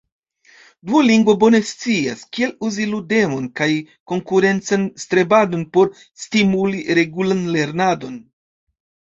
Duolingo bone scias, kiel uzi ludemon kaj konkurencan strebadon por stimuli regulan lernadon.